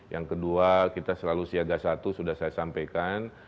yang kedua kita selalu siaga satu sudah saya sampaikan